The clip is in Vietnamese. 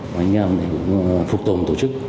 một anh em này cũng phục tồn tổ chức